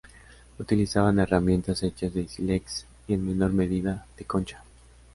Utilizaban herramientas hechas de sílex y, en menor medida, de concha.